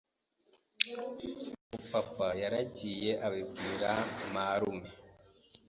Ubwo papa yaragiye abibwira marume